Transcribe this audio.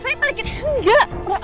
bu lepasin sini anak